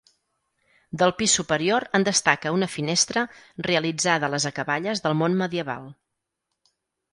Del pis superior en destaca una finestra realitzada a les acaballes del món medieval.